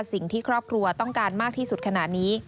สิ่งที่ครอบครัวต้องการมากที่สุดขณะนี้